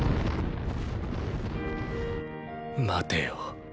待てよ